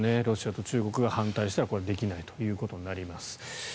ロシアと中国が反対したらできないということになります。